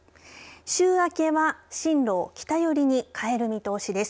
週明けは、進路を北寄りに変える見通しです。